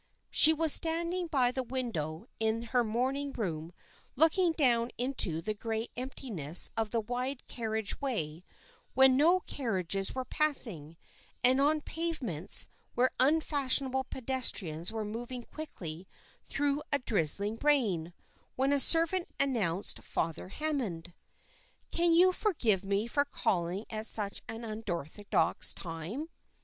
She was standing by the window in her morning room looking down into the grey emptiness of the wide carriage way, where no carriages were passing, and on pavements where unfashionable pedestrians were moving quickly through a drizzling rain, when a servant announced Father Hammond. "Can you forgive me for calling at such an unorthodox time?